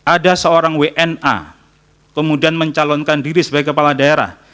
ada seorang wna kemudian mencalonkan diri sebagai kepala daerah